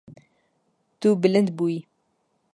Tu bilind bûyî.